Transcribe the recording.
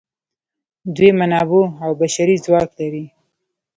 دوی منابع او بشري ځواک لري.